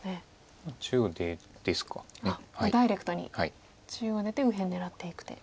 もうダイレクトに中央出て右辺狙っていく手。